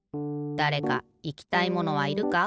だれかいきたいものはいるか？